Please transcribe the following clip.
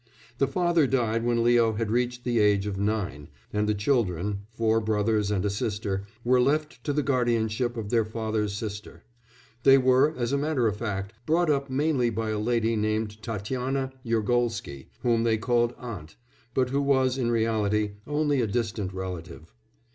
The father died when Leo had reached the age of nine, and the children four brothers and a sister were left to the guardianship of their father's sister; they were, as a matter of fact, brought up mainly by a lady named Tatiana Yergolsky, whom they called "aunt," but who was, in reality, only a distant relative.